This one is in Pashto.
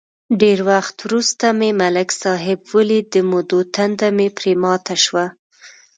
ډېر وخت ورسته مې ملک صاحب ولید، د مودو تنده مې پرې ماته شوه.